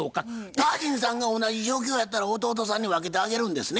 タージンさんが同じ状況やったら弟さんに分けてあげるんですね？